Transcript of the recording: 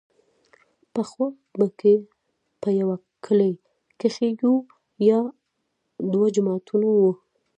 پخوا به که په يوه کلي کښې يو يا دوه جوماته وو.